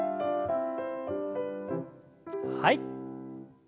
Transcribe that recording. はい。